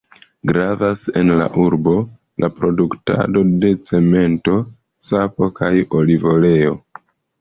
Gravas en la urbo, la produktado de cemento, sapo kaj olivoleo.